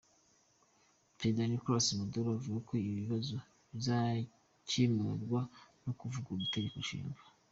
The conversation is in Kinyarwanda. Perezida Micolas Maduro avuga ko ibi bibazo bizakemeutrwa no kuvugurura itegekonshinga.